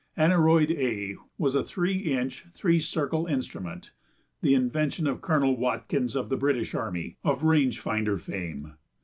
Aneroid A was a three inch, three circle instrument, the invention of Colonel Watkins, of the British army, of range finder fame.